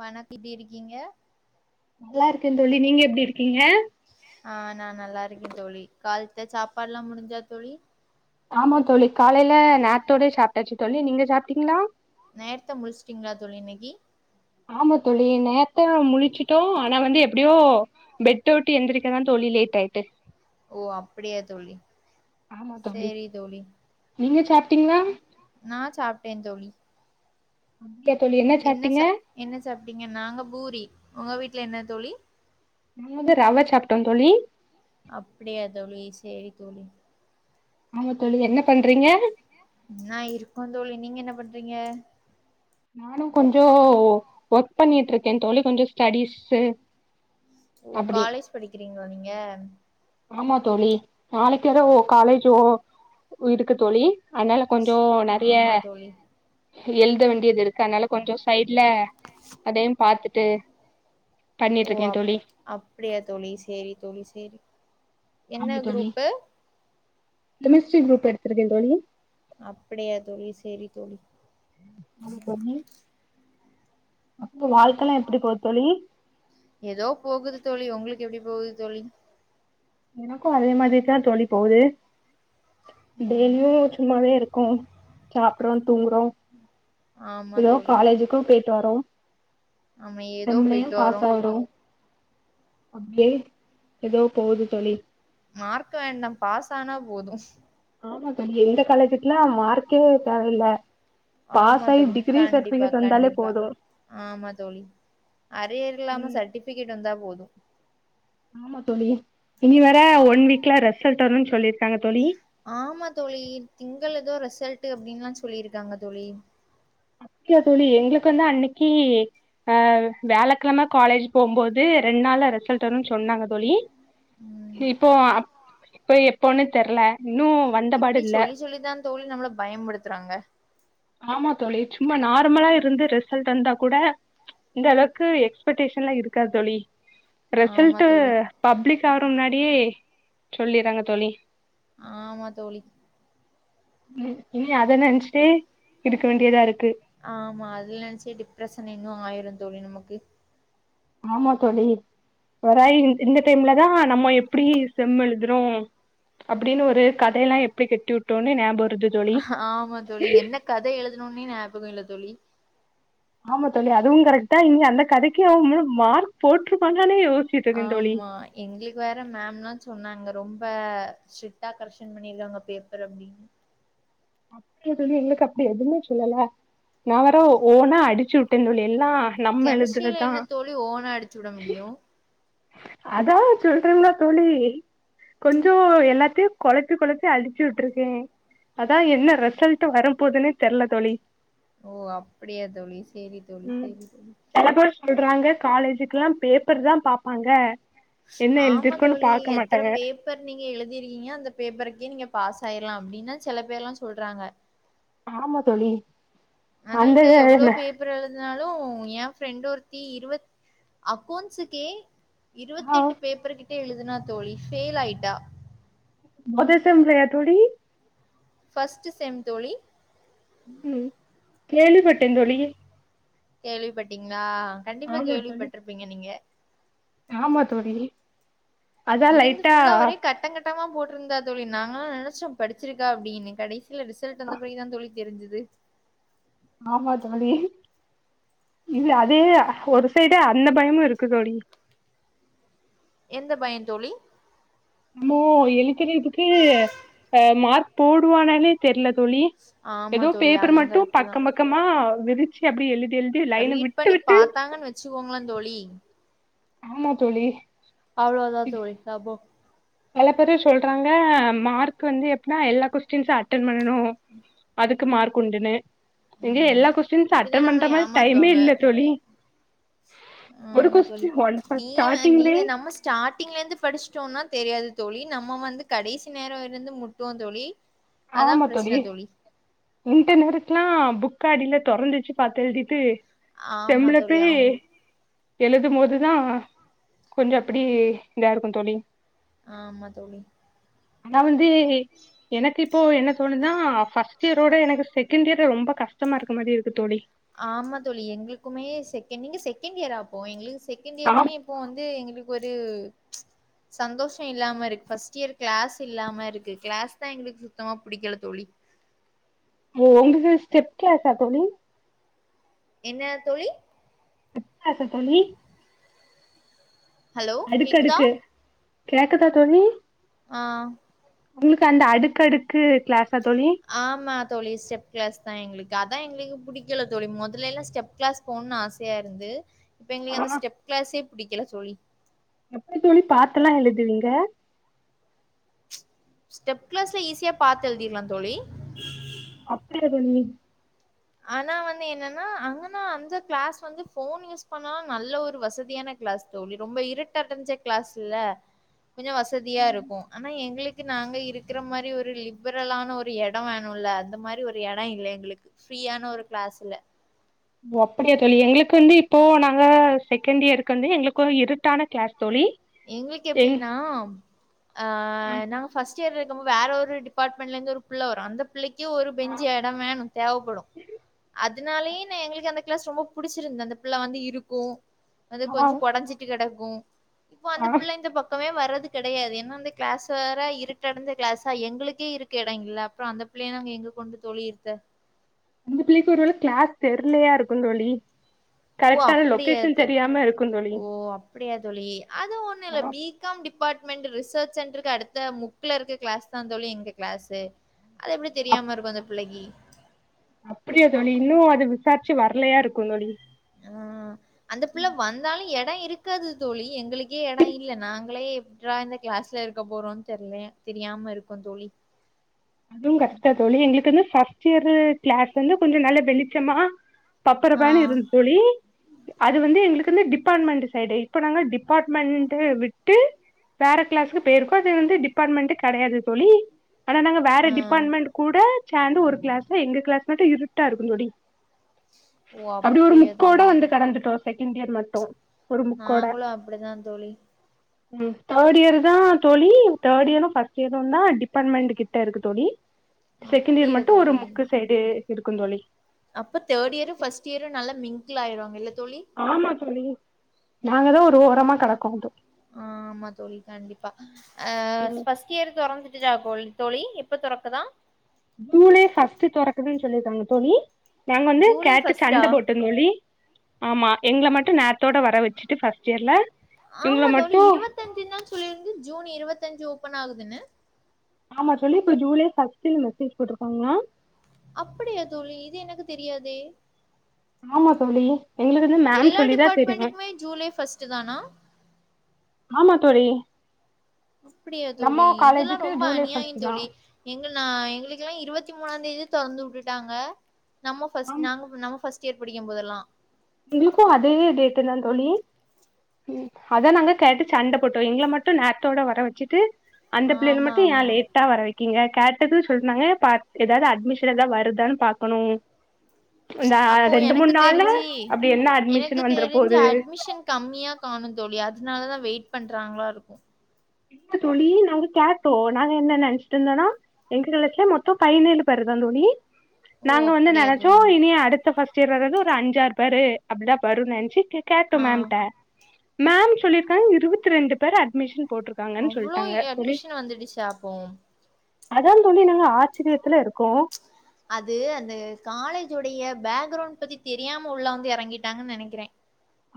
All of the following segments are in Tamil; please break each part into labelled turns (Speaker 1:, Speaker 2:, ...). Speaker 1: வணக் எப்டி இருக்கீங்க
Speaker 2: நல்லா இருக்கே தோழி நீங்க எப்டி இருக்கீங்க
Speaker 1: ஆ நா நல்லா இருக்கே தோழி கால்த்த சாப்பாடுல்லா முடிஞ்சா தோழி
Speaker 2: ஆமா தோழி காலைல நேரத்தோடே சாப்ட்டாச்சு தோழி நீங்க சாப்ட்டீங்ளா
Speaker 1: நேரத்தே முழுச்சுட்டீங்களா தோழி இன்னைக்கி
Speaker 2: ஆமா தோழி நேரத்தோ முழிச்சுட்டோ ஆனா வந்து எப்டியோ பெட்ட வுட்டு எந்திரிக்கதா தோழி லேட் ஆயிட்டு
Speaker 1: ஓ அப்டியா தோழி
Speaker 2: ஆமா தோழி
Speaker 1: சேரி தோழி
Speaker 2: நீங்க சாப்ட்டீங்களா
Speaker 1: நா சாப்ட்டே தோழி
Speaker 2: ஓகே தோழி
Speaker 1: என்ன
Speaker 2: சாப்ட்டீங்க
Speaker 1: சா என்ன சாப்ட்டீங்க நாங்க பூரி உங்க வீட்ல என்ன தோழி
Speaker 2: நாங் வந்து ரவா சாப்ட்டோ தோழி
Speaker 1: அப்பிடியா தோழி சேரி தோழி
Speaker 2: ஆமா தோழி என்ன பண்றீங்க
Speaker 1: நா இருக்கோ தோழி நீங்க என்ன பண்றீங்க
Speaker 2: நானு கொஞ்சோ ஒர்க் பண்ணிட்ருக்கே தோழி கொஞ்சோ ஸ்டடிஸ்ஸு
Speaker 1: ஓ
Speaker 2: அப்டி
Speaker 1: காலேஜ் படிக்கிறீங்களா நீங்க
Speaker 2: ஆமா தோழி நாளைக் எதோ காலேஜோ இருக்கு தோழி அத்னால கொஞ்சோ நெறைய
Speaker 1: ஆமா தோழி
Speaker 2: எழுத வேண்டியதுருக்கு அத்னால கொஞ்சோ சைடு்ல அதையு பாத்துட்டு பண்ணிட்டு
Speaker 1: ஓ
Speaker 2: இருக்கே
Speaker 1: அப்
Speaker 2: தோழி
Speaker 1: அப்பிடியா தோழி சேரி தோழி சேரி
Speaker 2: ஆமா
Speaker 1: என்ன
Speaker 2: தோழி
Speaker 1: குரூப்பு
Speaker 2: கேமிஸ்ட்ரி குரூப் எடுத்துருக்கே தோழி
Speaker 1: அப்பிடியா தோழி சேரி தோழி
Speaker 2: ஆமா தோழி உங்க வாழ்க்கல்லா எப்பிடி போத் தோழி
Speaker 1: எதோ போகுது தோழி உங்களுக் எப்டி போகுது தோழி
Speaker 2: எனக்கு அதே மாதிரி தா தோழி போகுது டெய்லியு சும்மாவே இருக்கோ சாப்ட்றோ தூங்குறோ
Speaker 1: ஆமா
Speaker 2: எதோ
Speaker 1: தோழி
Speaker 2: காலேஜுக்கு போய்ட்டு வரோ
Speaker 1: ஆமா ஏதோ
Speaker 2: செம்லயு
Speaker 1: போயிட்டு வரோ
Speaker 2: பாஸ் ஆகறோ அப்டே எதோ போகுது தோழி
Speaker 1: மார்க்கு வேண்டா பாஸ் ஆனா போது
Speaker 2: ஆமா தோழி இந்த காலேஜுக்லா மார்க்கே தேவ இல்ல
Speaker 1: ஆமா தோழி கண்டிப்பா
Speaker 2: வந்தாலே
Speaker 1: கண்டிப்பா
Speaker 2: போது
Speaker 1: ஆமா தோழி அரியர் இல்லாம
Speaker 2: ம்
Speaker 1: சட்டிஃபிகெட் வந்தா போது
Speaker 2: ஆமா தோழி இனி வேற ஒன் வீக்ல ரெசல்ட் வருன் சொல்லிருக்காங்க தோழி
Speaker 1: ஆமா தோழி திங்கள எதோ ரிசல்ட்டு அப்டின்லா சொல்லிருக்காங்க தோழி
Speaker 2: டியா தோழி எங்களுக் வந்து அன்னைக்கி அ வியாழக்கெழம காலேஜ் போம்போது ரெண் நாள்ல ரிசல்ட் வருன் சொன்னாங்க தோழி
Speaker 1: ம்
Speaker 2: இப்போ அப் இப்ப எப்போன்னே தெர்ல இன்னு
Speaker 1: இப்டி
Speaker 2: வந்தபாடுல்ல
Speaker 1: சொல்லி சொல்லிதா தோழி நம்மள பயம்புடுத்துறாங்க
Speaker 2: ஆமா தோழி சும்மா நார்மலா இருந்து ரிசல்ட் வந்தா கூட இந்தளவுக்கு எக்ஸ்படேஷன்லா இருக்காது தோழி
Speaker 1: ஆமா
Speaker 2: ரிசல்ட்டு
Speaker 1: தோழி
Speaker 2: பப்ளிக் ஆகற முன்னாடியே சொல்லீர்றாங்க தோழி
Speaker 1: ஆமா தோழி
Speaker 2: ம் இனி அத நெனச்ட்டே இருக்க வேண்டியதா இருக்கு
Speaker 1: ஆமா அது நெனச்சே டிப்ரெஸன் இன்னு ஆயிரு தோழி நமக்கு
Speaker 2: ஆமா தோழி ஒராய்வில் இந்த டைம்ல தா நம்ம எப்பிடி செம் எழுதுறோ அப்டின்னு ஒரு கதையெல்லா எப்டி கெட்டி விட்டோனு ஞாபொரது
Speaker 1: ஆமா தோழி என்ன கதை எழுதுணோன்னே ஞாபக இல்ல தோழி
Speaker 2: ஆமா தோழி அதுவு கரக்ட் தா இங்க அந்த கதைக்கு அவுங்க மார்க் போட்ருப்பாங்களான்னே யோசி
Speaker 1: ஆமா எங்ளுக் வேற மேம்லா சொன்னாங்க ரொம்ப ஸ்ட்ரிட்டா கரக்ஷன் பண்ணீர்க்காங்க பேப்பரு அப்டின்
Speaker 2: அப்டியா தோழி எங்களுக் அப்டி எதுமே சொல்லல நா வேற ஒ ஓனா அடிச்சு உட்டே தோழி எல்லா நம்ம
Speaker 1: கெமிஸ்ட்ரில
Speaker 2: எழுதுறதுதா
Speaker 1: என்ன தோழி ஓனா அடிச்சு விட முடியு
Speaker 2: அதா சொல்றன்ல்ல தோழி கொஞ்சோ எல்லாத்தையு கொழப்பி கொழப்பி அடிச்சு விட்டுருக்கேன் அதா என்ன ரிசல்ட் வரபோதுனே தெரில தோழி
Speaker 1: ஓ அப்படியா தோழி சேரி தோழி
Speaker 2: ம்
Speaker 1: சேரி தோழி
Speaker 2: சில பேர் சொல்றாங்க காலேஜக்கெல்லா பேப்பர்தா பாப்பாங்க என்ன
Speaker 1: ஆமா
Speaker 2: எழுதிருக்கோன்னு
Speaker 1: தோழி
Speaker 2: பாக்க
Speaker 1: எத்தர
Speaker 2: மாட்டாங்க
Speaker 1: பே ப்பர் நீங்க எழுதிருக்கீங்க அந்த பேப்பருக்கே நீங்க பாஸ் ஆயிரலா அப்டின்னா சில பேர் எல்லா சொல்றாங்க
Speaker 2: ஆமா தோழி
Speaker 1: ஆனா
Speaker 2: அந்த
Speaker 1: இங்க எவ்ளோ பே ப்பர் எழுதினாலு என் ஃப்ரெண்ட் ஒருத்தி இருவ அக்கௌன்ஸுக்கே
Speaker 2: ஆ
Speaker 1: இருவத்தெட்டு பேப்பர் கிட்ட எழுதனா தோழி ஃபெயில் ஆயிட்டா
Speaker 2: அதே செம்லயா தோழி
Speaker 1: ஃபர்ஸ்டு செம் தோழி
Speaker 2: ம் கேள்விப்பட்டன் தோழி
Speaker 1: கேள்விப்பட்டீங்ளா கண்டிப்பா
Speaker 2: ஆமா தோழி
Speaker 1: கேள்விப்பட்டிருப்பீங்க நீங்க
Speaker 2: ஆமா தோலி அதா லைட்டா
Speaker 1: பட்டமா போட்ருந்தா தோழி நாங்கல்லா நெனச்சோ படிச்சிருக்கா அப்டின்னு கடைசில ரிசல்ட் வந்தபிறகுதான் தோழி தெரிஞ்சுது
Speaker 2: ஆமா தோழி இல்ல அது ஒரு சைடு அந்த பயமு இருக்கு தோழி
Speaker 1: எந்த பயோந் தோழி
Speaker 2: அமோ எழுதினிக்கு அ மார்க் போடுவானாலே தெரில தோழி
Speaker 1: ஆமா
Speaker 2: எதோ
Speaker 1: தோழி
Speaker 2: பேப்பர்
Speaker 1: அதுவும்
Speaker 2: மட்டு
Speaker 1: கரெக்ட் தான்
Speaker 2: பக்கம் பக்கமா விரிச்சு அப்டி எழுதி எழுதி லைன
Speaker 1: ரீட்
Speaker 2: விட்டு
Speaker 1: பண்ணி
Speaker 2: விட்டு
Speaker 1: பாத்தாங்கன்னு வெச்சுகோங்கல தோழி
Speaker 2: ஆமா தோழி
Speaker 1: அவ்ளோதா தோழி சபோ
Speaker 2: பல பேரு சொல்றாங்க மார்க் வந்து எப்புனா எல்லா கொஸ்டின்ஸ்சு அட்டன் பண்ணு அது க்கு மார்க் உண்டுனு எங்க
Speaker 1: ம்
Speaker 2: எல்லா கொஸ்டின்ஸ் அட்ட
Speaker 1: இப்படிதான் நம்மளை
Speaker 2: பண்ற மாரி டைமே
Speaker 1: ஏமாத்துவாங்க
Speaker 2: இல்ல தோழி ஒரு
Speaker 1: ஆமா தோழி
Speaker 2: கொஸ்டின் ஒன்
Speaker 1: நீ
Speaker 2: ஃபஸ்ட் ஸ்டார்டிங்லே
Speaker 1: நீங்க நம்ம ஸ்டார்ட்டிங்லந்து படிஷ்ட்டோனா தெரியாது தோழி நம்ம வந்து கடைசி நேரோ வரைந்து முட்டுவோந் தோழி அதான்
Speaker 2: ஆமா தோழி
Speaker 1: பிரச்சனை
Speaker 2: இன்டனர்க்கெல்லா புக்க அடில தொறந்து வெச்சு பாத்து எழுதிட்டு
Speaker 1: ஆமா
Speaker 2: செம்லப்
Speaker 1: தோழி
Speaker 2: போய்
Speaker 1: ஆமா
Speaker 2: எழுதும்போதுதான் கொஞ்சோ அப்டி இதா இருக்கு தோழி
Speaker 1: ஆமா தோழி
Speaker 2: ஆனா வந்து எனக்கு இப்போ என்ன தோணுனா ஃபர்ஸ்ட் இயரோட செகண்ட் இயர் ரொம்ப கஷ்டமா இருக்கமாரி இருக்கு தோழி
Speaker 1: ஆமா தோழி எங்குளுக்குமே செக்கேண்டு நீங்க செக்கேண்டு இயர்ரா ஆப்போ எங்களுக்கு செகேண்டு
Speaker 2: ஆம்
Speaker 1: இயருமே இப்போ வந்து எங்குளுக்கு ஒரு சந்தோஷோ இல்லாம இருக்கு ஃபர்ஸ்ட் இயர் கிளாஸ் இல்லாம இருக்கு கிளாஸ்தா எங்களுக்கு சுத்தமா புடிக்கல தோழி
Speaker 2: ஓ உங்கக்கு ஸ்டேப் கிலாஸ்சா தோழி
Speaker 1: என்ன தோழி
Speaker 2: ஸ்டெப் கிளாஸ்சா தோழி
Speaker 1: ஹலோ
Speaker 2: அடுக்கு
Speaker 1: கேக்குதா
Speaker 2: அடுக்கு கேக்கதா தோழி
Speaker 1: ஆ
Speaker 2: உங்குளுக்கு அந்த அடுக்கு அடுக்கு கிளாஸ்சா தோழி
Speaker 1: ஆமா தோழி ஸ்டெப் கிளாஸ் தா எங்குளுக்கு அதா எங்குளுக்கு புடிக்கல தோழி மொதலேல்லா ஸ்டெப் கிளாஸ் போன்னு ஆசையாருந்து இப்ப
Speaker 2: ஆ
Speaker 1: எங்குளுக்கு அந்த ஸ்டெப் கிளாஸே புடிக்கல தோழி
Speaker 2: எப்பிடி தோழி பாத்துலா எழுதுவீங்க
Speaker 1: ஸ்டெப் கிளாஸ்ல ஈஸியா பாத்து எழுதிர்லா தோழி
Speaker 2: அப்டியா தோழி
Speaker 1: ஆனா வந்து என்னன்னா அங்கன்னா அந்த கிளாஸ் வந்து ஃபோன் யூஸ் பண்ணா நல்ல ஒரு வசதியான கிளாஸ் கிளாஸ் தோழி ரொம்ப இருட்டா தெர்ஞ்ச கிளாஸுல்ல கொஞ்சோ வசதியாருக்கு ஆனா எங்குளுக்கு நாங்க இருக்குற மாரி ஒரு லிப்பரல்லான ஒரு எடோ வேணுல்ல அந்த மாரி ஒரு எடோ இல்ல எங்குளுக்கு ஃப்ரீயான ஒரு கிளாஸுல்ல
Speaker 2: ஓ அப்பிடியா தோழி எங்குளுக்கு வந்து இப்போ நாங்க செகெண்டியருக்கு வந்து எங்குளுக்கு வந்து இருட்டான கிளாஸ் தோழி
Speaker 1: எங்குளுக்கு
Speaker 2: எங்
Speaker 1: எப்டின்னா ஆ நாங்க ஃபஸ்ட்டியர் இருக்கும் போது வேற ஒரு டிபார்ட்மெண்ட்லருந்து ஒரு புள்ள வரு அந்த புள்ளைக்கி ஒரு பெஞ்சி எடோ வேணு தேவப்படு அந் அதனாலே னே எங்குளுக்கு அந்த கிளாஸ் ரொம்ப புடிச்சிருந்துது அந்த புள்ள வந்து இருக்கு வந்து
Speaker 2: ஆ ஆ
Speaker 1: கொஞ்சோ கொறஞ்சிட் ட்டு கடக்கு இப்போ அந்த
Speaker 2: ஆ
Speaker 1: புள்ள இந்த பக் பக்கமே வர்றது கெடையாது ஏன்னா அந்த கிளாஸ் வேர இருட்டடைந்த கிளாஸா எங்களுக்கே இருக்க எடோ இல்ல அப்புறோ அந்த புள்ளைய நாங்க எங்க கொண்டு தோழி இருத்த
Speaker 2: அந்த பிள்ளைக்கு ஒருவேல கிளாஸ் தெரிலையா இருக்குன் தோழி
Speaker 1: ஓ
Speaker 2: கரெக்டான
Speaker 1: அப்டியா
Speaker 2: லொகேஷன்
Speaker 1: தோழி
Speaker 2: தெரியாம இருக்கு தோழி
Speaker 1: ஓ அப்டியா தோழி அது ஒண்ணு இல்ல
Speaker 2: அ
Speaker 1: B com department research சென்டருக்கு அடுத்த முக்ல இருக்கற கிளாஸ் தா தோழி எங்க கிளாஸு அது எப்பிடி தெரியாம இருக்கு அந்த புள்ளைக்கி
Speaker 2: அப்பிடியா தோழி இன்னு அது விசாரிச்சு வரலையா இருக்கு தோழி
Speaker 1: அ அந்த புள்ளை வந்தாலு எடோ இருக்காது தோழி எங்களுக் கே எடோ இல்ல நாங்களே எப்ட்றா இந்த கிளாஸ்ல இருக்க போறோ தெர்ல தெரியாம இருக்கோ தோழி
Speaker 2: அதுவு கரெக்ட் தா தோழி எங்களுக்கு வந்து ஃபஸ்ட்டியரு கிளாஸ் கொஞ்சோ கொஞ்சோ நல்ல வெளிச்சமா
Speaker 1: ஆ
Speaker 2: பப்பறபானு இருந்து தோழி அது வந்து எங்களுக்கு வந்து டிபார்ட்மெண்ட் சைடு இப்ப நாங்க டிபார்ட்மெண்ட விட்டு வேற கிளாஸ்க்கு போயிருக்கோ அது வந்து டிபார்ட்மெண்ட் கெடையாது தோழி ஆனா நாங்க
Speaker 1: ஆ
Speaker 2: டிபார்ட்மென்ட் கூட சேந்து ஒரு கிளாஸ்ல எங்க கிளாஸ் மட்டு இருட்டா இருக்கு‌ தோழி
Speaker 1: ஓ
Speaker 2: அப்பிடி ஒரு
Speaker 1: அப்டியா
Speaker 2: முக்கோட
Speaker 1: தோழி
Speaker 2: வந்து கடந்துட்டோ செகண்ட்டியர் மட்டு ஒரு
Speaker 1: நாங்களு அப்படிதா தோழி
Speaker 2: உங்களுக்கு தேர்ட் இயர் தா தோழி தேர்ட் இயரு ஃபர்ஸ்ட் இயரு தா டிபார்ட்மெண்ட் கிட்ட இருக்கு தோழி செகண்ட்டியர்
Speaker 1: அப்டியா
Speaker 2: மட்டு ஒரு
Speaker 1: தோழி
Speaker 2: முக்கு சைடு இருக்கும் தோழி
Speaker 1: அப்ப தேர்ட்டியரு ஃபர்ஸ்ட்டியரும் நல்ல மிங்கிள்லாயிருவாங்க இல்ல தோழி
Speaker 2: ஆமா தோழி நாங்கதா ஒரு ஓரமா கடக்கோந்து
Speaker 1: ஆ ஆமா தோழி கண்டிப்பா ஆ கியரு ‌தொறந்துட்டுதா தோழி எப்ப தொறக்குதா
Speaker 2: ஜூலை ஃபர்ஸ்ட்டு தொறக்குதுன்னு சொல்லியிருக்காங்க தோழி நாங்க வந்து
Speaker 1: ஜூலை
Speaker 2: கேட்டு
Speaker 1: ஃபர்ஸ்ட்டா
Speaker 2: சண்ட போட்டோ தோழி ஆமா எங்கள மட்டு நேரத்தோட வர வச்சுட்டு ஃபர்ஸ்ட்டியர்ல இவங்கள மட்டு
Speaker 1: தஞ்சுனா சொல்லிருந்து ஜூன் இருபத்தஞ்சு ஓப்பனாகுதுன்னு
Speaker 2: ஆமா தோழி இப்ப ஜூலை ஃபர்ஸ்ட்ல மெசேஜ் போட்டுருக்காங்ளா
Speaker 1: அப்பிடியா தோழி இது எனக்கு தெரியாதே
Speaker 2: ஆமா தோழி எங்களுக்கு வந்து மேம்
Speaker 1: எல்லா
Speaker 2: சொல்லிதா தெரியுமே
Speaker 1: டிபார்ட்மெண்ட்டுக்குமே ஜூலை ஃபஸ்ட்டு தானா
Speaker 2: ஆமா தோழி
Speaker 1: அப்டியா தோழி
Speaker 2: நம்ம
Speaker 1: இதெல்லா
Speaker 2: காலேஜுக்கு
Speaker 1: ரொம்ப
Speaker 2: ஜூலை
Speaker 1: அநியாயோ
Speaker 2: ஃபர்ஸ்ட் தா
Speaker 1: தோழி எங்கள்னா எங்ளுக்கெல்லா இருபத்தி மூணாந்தேதியே தொறந்து வுட்டுட்டாங்க நம்ம ஃபஸ்ட்
Speaker 2: ஆமா
Speaker 1: நாங்க நம்ம ஃபஸ் ஸ்ட் இயர் படிக்கும் போதெல்லா
Speaker 2: எங்ளுக்கு அதே டேட்டுதா தோழி ம் அதா நாங்க கேட்டு சண்ட போட்டோ எங்கள மட்டு நேரத்தோட வர வச்சுட்டு அந்த பிள்ளைல
Speaker 1: ஆமா
Speaker 2: மட்டு ஏன்
Speaker 1: ஆமா
Speaker 2: லே ட்டா வர வைக்கீங்க கேட்டதுன் சொன்னாங்க பா எதாது அட்மிஷன்தா வருதான் பாக்கணு ந்த
Speaker 1: அப்போ
Speaker 2: ரெண்டு
Speaker 1: எனக்கு
Speaker 2: மூண் நாள்ல
Speaker 1: தெரிஞ்சு
Speaker 2: அப்டி என்ன அட்மிஷன் வந்துர போது
Speaker 1: மிஷன் கம்மியா காணு தோழி அதனாலதா வெயிட் பண்றாங்களா இருக்கு
Speaker 2: [unintelligible] தோழி நாங்க கேட்டோ நாங்க என்ன நெனைச்சுட்டுந்தனா எங்களுக்கு மொத்தோ பதினேழு பேருதா தோழி
Speaker 1: ஓ
Speaker 2: நாங்க வந்து
Speaker 1: அப்படியா
Speaker 2: நெனச்சோ
Speaker 1: தோழி
Speaker 2: இனி அடுத்த ஃபஸ் ஸ்ட்டு இயர் வர்றது ஒரு அஞ்சாறு பேரு அப்டிதா வரு நென்ச்சு கேட்டோ
Speaker 1: ஆ
Speaker 2: மேம்ட்ட மேம் சொல்லிருக்காங் இருவத்தி ரெண்டு பேர அட்மிஷன் போட்ரு
Speaker 1: அவ்ளோ எ அட்மிஷன் வந்துடுச்சா அப்போ
Speaker 2: அதா தோழி நாங்க ஆச்சரியத்துல இருக்கோ
Speaker 1: அது அந்த காலேஜ் உடைய பேக்ரவுண்ட் பத்தி தெரியாம உள்ள வந்து எறங்கிட்டாங்கன் நெனைக்கிறே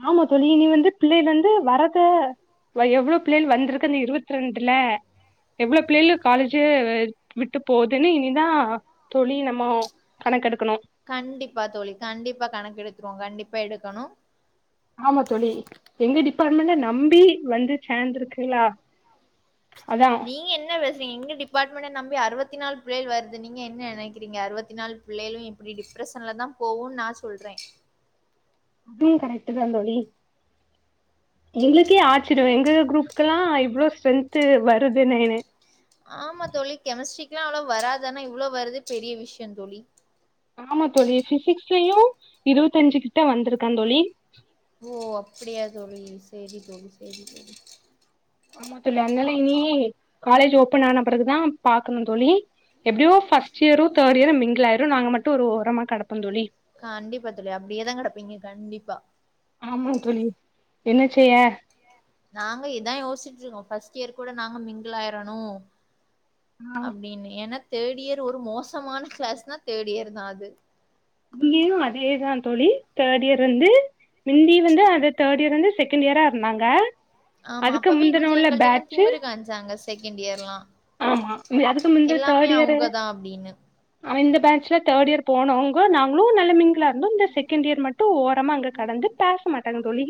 Speaker 2: ஆமா தோழி நீ வந்து பிள்ளைலந்து வரத [unintelligible] எவ்ளோ பிள்ளைள் வந்திருக்கு இருவத் ரெண்டுல எவ்ளோ பிள்ளைளு காலேஜு விட்டு போதுன்னு இனிதா தோழி நம்ம கணக்கெடுக்கணு
Speaker 1: கண்டிப்பா தோழி கண்டிப்பா கணக்கெடுத்துருவோ கண்டிப்பா எடுக்கணு
Speaker 2: ஆமா தோழி எங்க டிபார்ட்மெண்ட்ட நம்பி வந்து சேந்துருக்குகளா அதா
Speaker 1: நீங்க என்ன பேசுறீங் எங்க டிபார்ட்மெண்ட்ட நம்பி அறுவத்தி நால் பிள்ளைள் வருது நீங்க என்ன நெனக்றீங்க அறுவத்தி நாலு புள்ளைளு இப்டி டிப்ரெஷ்ஷன்ல தா போவு நா சொல்றே
Speaker 2: அதுவு கரெக்ட்டு தா தோழி எங்ளுக்கே ஆச்சிர்யோ எங்க குரூப்கெல்லா இவ்ளோ ஸ்ட்ரென்த்து வருதுனேனு
Speaker 1: ஆமா தோழி கெமிஸ்ட்ரிக்கு அவ்ளோ வராதானா இவ்ளோ வரதே பெரிய விஷயோ தோழி
Speaker 2: ஆமா தொழி பிசிக்ஸ்லுயு இருவத்தஞ்சு கிட்ட வந்துருக்கா தோழி
Speaker 1: ஓ அப்டியா தோழி சரி தோழி சரி தோழி
Speaker 2: ஆமா தோழிஅதனால இனி காலேஜ் ஓபன் ஆன பிறகுதா பாக்கணு தோழி எப்டியோ first year third year mingle ஆயுரு நாங்க மட்டு ஒரு ஓரமா கெடப்ப தோழி
Speaker 1: கண்டிப்பா தோழி அப்டியே தா கெடப்பீங்க கண்டிப்பா
Speaker 2: ஆமா தோழி என்ன செய்ய
Speaker 1: நாங்க இதா யோசுச்ட்டுருக்கோ ஃபஸ்ட் இயர் கூட நாங்க மிங்கிள் ஆயிரணு
Speaker 2: ஆ
Speaker 1: அப்டின்னு ஏன்னா தேர்டு இயர் ஒரு மோசமான கிளாஸ்னா தேர்டு இயர் தா அது
Speaker 2: இங்கயு அதேதா தோழி தேடு இயர் வந்து மிந்தி வந்து அத தேடு இயர் வந்து செக் கண்ட் இயரா இருந்தாங்க
Speaker 1: ஆமா
Speaker 2: அதுக்கு
Speaker 1: அப்பவே
Speaker 2: முந்தின
Speaker 1: கொஞ்சோ
Speaker 2: உள்ள
Speaker 1: எங்கள்ட்டலா
Speaker 2: பேட்சு
Speaker 1: திமிரு காம்ச்சாங்க செகண்ட் இயர்லா
Speaker 2: ஆமா அதுக்கு முந்து
Speaker 1: எல்லாமே
Speaker 2: தேடு இயரு
Speaker 1: அவங்கதா அப்டின்னு
Speaker 2: அவ இந்த பேட்ச்ல தேடு இயர் போனவங்க நாங்ளு நல்ல மிங் கிளா இருந்தோ இந்த செகண்ட் இயர் மட்டு ஓரமா அங்க கெடந்து பாக்க மாட்டாங்க தோழி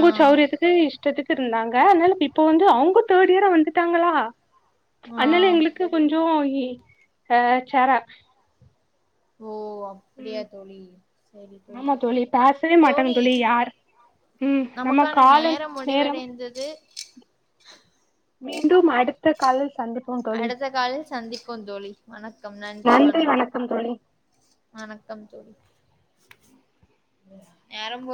Speaker 1: ஆ
Speaker 2: சௌரியத்துக்கு இஷ்டத்துக்கு இருந்தாங்க அதனால இப்ப வந்து அவ்ங்க தேடு இயரா வந்துட்டாங்ளா
Speaker 1: ஆ
Speaker 2: அதனால எங்ளுக்கு கொஞ்சோ இ ஆ சேரா
Speaker 1: ஓ அப்டியா
Speaker 2: ம்
Speaker 1: தோழி செரி தோழி.
Speaker 2: ஆமா பேசவே மாட்டாங்க
Speaker 1: தோழி
Speaker 2: யார் ம் நம்ம
Speaker 1: நமக்கான
Speaker 2: கால
Speaker 1: நேரம் முடிவடைந்தது.
Speaker 2: மீண்டும் அடுத் த காலில் சந்தி
Speaker 1: அடுத்த காலில் சந்திப்போ தோழி வணக்கம் நன்றி வணக்கம். வணக்கம் தோழி நேரம் போ